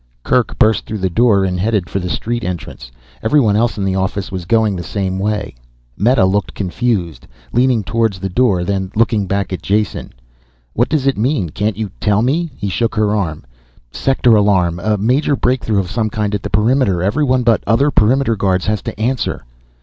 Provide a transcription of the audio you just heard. Kerk burst through the door and headed for the street entrance. Everyone else in the office was going the same way. Meta looked confused, leaning towards the door, then looking back at Jason. "What does it mean? Can't you tell me?" He shook her arm. "Sector alarm. A major breakthrough of some kind at the perimeter. Everyone but other perimeter guards has to answer."